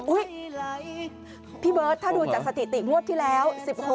อุ๊ยพี่เบิ้ลถ้าดูจากสถิติมวดที่แล้ว